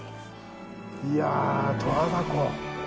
いやぁ、十和田湖。